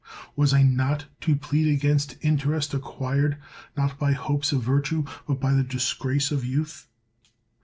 Was I not to plead against interest acquired not by hopes of virtue, but by the disgrace of youth